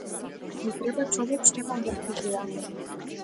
Ми треба човек што има моќни пријатели.